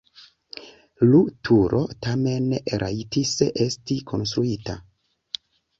Lu turo tamen rajtis esti konstruita.